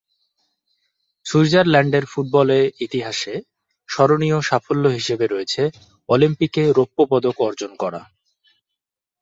সুইজারল্যান্ডের ফুটবলে ইতিহাসে স্মরণীয় সাফল্য হিসেবে রয়েছে অলিম্পিকে রৌপ্যপদক অর্জন করা।